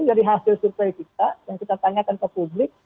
dari hasil survei kita yang kita tanyakan ke publik